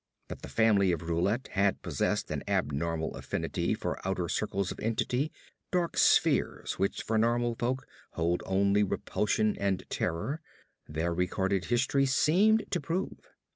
That the family of Roulet had possessed an abnormal affinity for outer circles of entity dark spheres which for normal folk hold only repulsion and terror their recorded history seemed to prove.